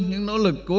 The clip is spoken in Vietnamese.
những nỗ lực cố gắng